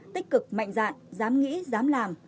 tích cực mạnh dạng dám nghĩ dám làm